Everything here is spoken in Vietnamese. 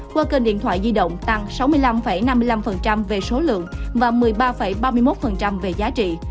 qua kênh điện thoại di động tăng sáu mươi năm năm mươi năm về số lượng và một mươi ba ba mươi một về giá trị